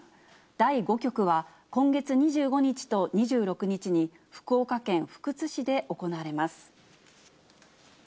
第５局は、今月２５日と２６日に、福岡県福津市で行われます。